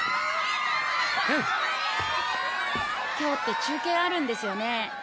今日って中継あるんですよね？